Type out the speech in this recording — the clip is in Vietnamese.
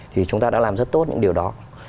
thì chúng ta đã làm rất tốt những điều đó